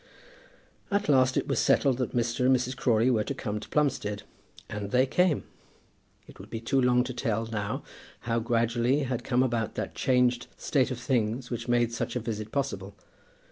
At last it was settled that Mr. and Mrs. Crawley were to come to Plumstead, and they came. It would be too long to tell now how gradually had come about that changed state of things which made such a visit possible.